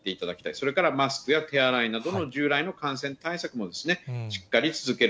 それからマスクや手洗いなどの従来の感染対策も、しっかり続ける。